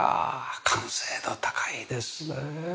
完成度高いですね。